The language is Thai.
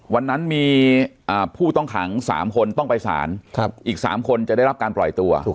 วันนั้นมีผู้ต้องขัง๓คนต้องไปสารอีก๓คนจะได้รับการปล่อยตัว